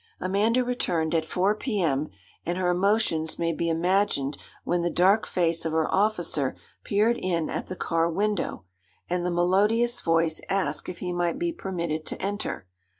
Amanda returned at 4 P.M., and her emotions may be imagined when the dark face of her officer peered in at the car window, and the melodious voice asked if he might be permitted to enter.